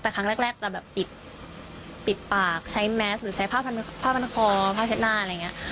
แต่ครั้งแรกจะแบบปิดปากใช้แมสหรือใช้ผ้าพันคอผ้าเช็ดหน้าอะไรอย่างนี้